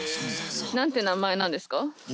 何て名前なんですか？